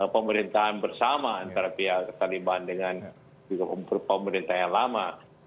pemerintahan bersama antara pihak taliban dengan pemerintahan lama